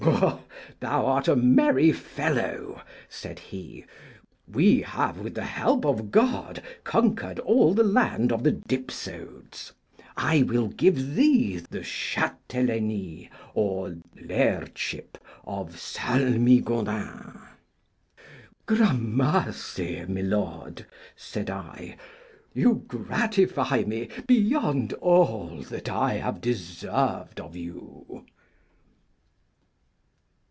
Ha, ha! thou art a merry fellow, said he. We have with the help of God conquered all the land of the Dipsodes; I will give thee the Chastelleine, or Lairdship of Salmigondin. Gramercy, my lord, said I, you gratify me beyond all that I have deserved of you.